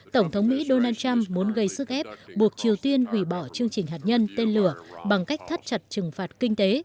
tổng thống mỹ donald trump muốn gây sức ép buộc triều tiên hủy bỏ chương trình hạt nhân tên lửa bằng cách thắt chặt trừng phạt kinh tế